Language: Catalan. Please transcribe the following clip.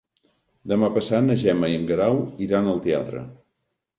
Demà passat na Gemma i en Guerau iran al teatre.